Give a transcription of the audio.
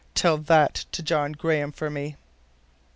Tell that to John Graham for me."